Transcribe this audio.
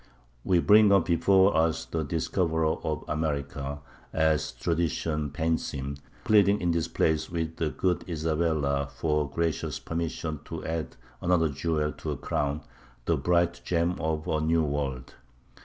We bring up before us the discoverer of America, as tradition paints him, pleading in this place with the good Isabella for gracious permission to add another jewel to her crown the bright gem of a New World.